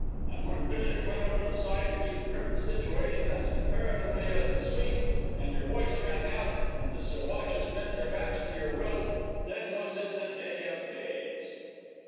And when Bishop went over the side, and you gripped the situation as imperatively as the sweep, and your voice rang out, and the Siwashes bent their backs to your will, then was it the day of days."